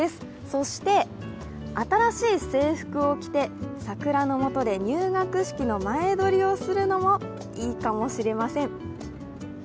そして新しい制服を着て桜のもとで入学式の前撮りをするのもいいかもしれません。